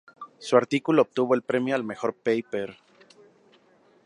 Su artículo obtuvo el premio al mejor paper.